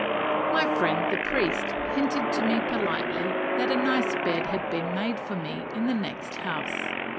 My friend the priest hinted to me politely that a nice bed had been made for me in the next house.